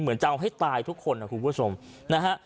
เหมือนจะเอาให้ตายทุกคนนะคุณผู้ชมนะฮะ